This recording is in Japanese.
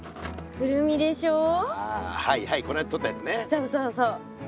そうそうそう。